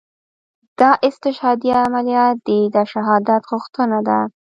دا استشهاديه عمليات دي دا شهادت غوښتنه ده.